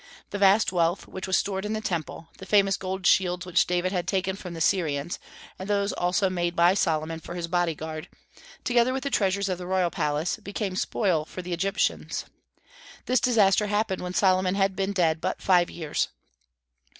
The vast wealth which was stored in the Temple, the famous gold shields which David had taken from the Syrians, and those also made by Solomon for his body guard, together with the treasures of the royal palace, became spoil for the Egyptians. This disaster happened when Solomon had been dead but five years.